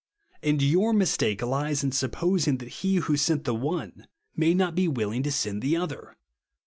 And your mistake lies in sup posing, that He who sent the one may not be v/iiling to send the other.